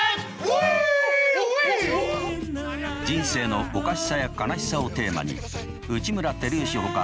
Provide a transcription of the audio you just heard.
人生のおかしさや悲しさをテーマに内村光良ほか